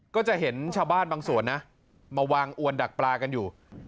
ก็จะเห็นชาวบ้านบางส่วนนะมาวางอวนดักปลากันอยู่